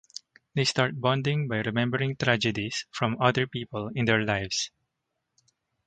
They start bonding by remembering tragedies from other people in their lives.